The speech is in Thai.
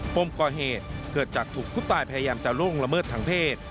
ปมก่อเหตุเกิดจากถูกผู้ตายพยายามจะล่วงละเมิดทางเพศ